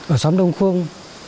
ở xóm đông khuông